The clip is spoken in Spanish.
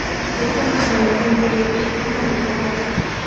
Es el resumen sencillo y excepcionalmente conmovedor.